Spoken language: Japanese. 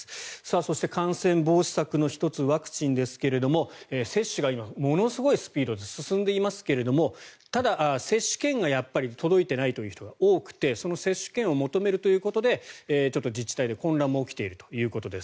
そして、感染防止策の１つワクチンですが接種が今、ものすごいスピードで進んでいますけどただ、接種券がやっぱり届いていないという人が多くてその接種券を求めるということで自治体で混乱も起きているということです。